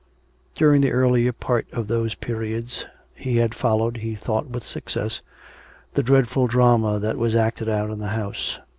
During the earlier part of those periods he had followed — he thought with success — the dreadful drama that was acted in the house.